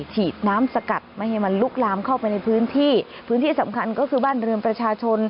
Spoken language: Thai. ฉีดน้ำสกัดไม่ให้มันลุกลามเข้าไปในพื้นที่พื้นที่สำคัญก็คือบ้านเรือนประชาชน